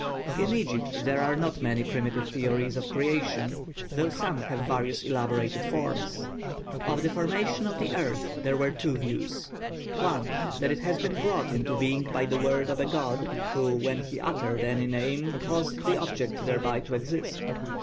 In Egypt there are not many primitive theories of creation, though some have various elaborated forms. Of the formation of the earth there were two views. (1) That it had been brought into being by the word of a god, who when he uttered any name caused the object thereby to exist.